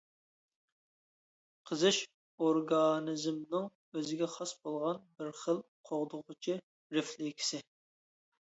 قىزىش ئورگانىزمنىڭ ئۆزىگە خاس بولغان بىر خىل قوغدىغۇچى رېفلېكسى.